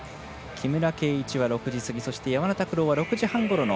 木村敬一は６時過ぎそして山田拓朗は６時半ごろの